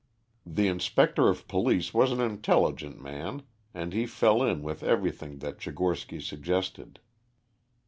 The inspector of police was an intelligent man, and he fell in with everything that Tchigorsky suggested.